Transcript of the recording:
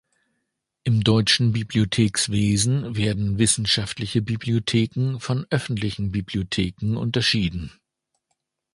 Im deutschen Bibliothekswesen werden wissenschaftliche Bibliotheken von öffentlichen Bibliotheken unterschieden.